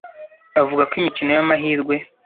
avuga ko imikino y’amahirwe